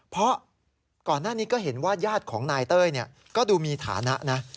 เพราะก่อนหน้านี้ก็เห็นว่าญาติของนายเต้ยก็ดูมีฐานะนะ